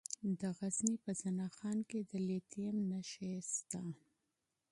د غزني په زنه خان کې د لیتیم نښې شته.